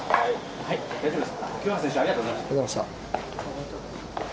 清原選手、ありがとうございました。